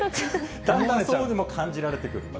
だんだんそうにも感じられてくると。